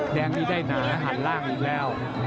แดงนี่ได้หนาหันล่างอีกแล้ว